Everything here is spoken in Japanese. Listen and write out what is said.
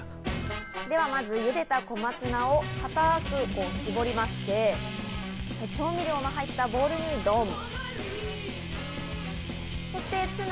では、まず茹でた小松菜をかたく絞りまして、調味料の入ったボウルにドン！